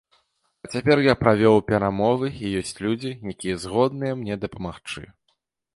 А цяпер я правёў перамовы і ёсць людзі, якія згодныя мне дапамагчы.